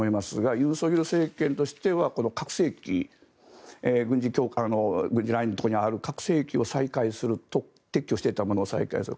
尹錫悦政権としては軍事ラインのところにある拡声器を再開する撤去していたものを再開する。